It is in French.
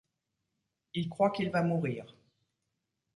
Il croit qu'il va mourir.